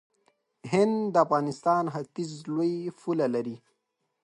هند د افغانستان ختیځ ته لوی پوله لري.